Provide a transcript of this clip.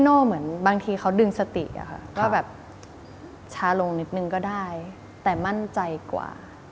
เล่นละครอะไรพวกนี้ไหมคะ